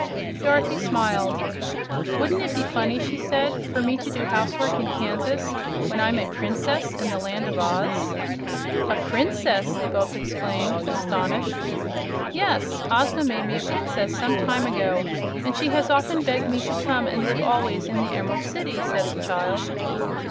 Dorothy smiled. "Wouldn't it be funny," she said, "for me to do housework in Kansas, when I'm a Princess in the Land of Oz?" "A Princess!" they both exclaimed, astonished. "Yes; Ozma made me a Princess some time ago, and she has often begged me to come and live always in the Emerald City," said the child.